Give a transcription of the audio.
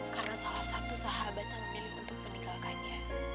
karena salah satu sahabat yang memilih untuk meninggalkannya